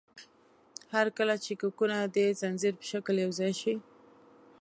هر کله چې کوکونه د ځنځیر په شکل یوځای شي.